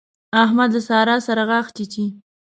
احمد له سارا سره غاښ چيچي.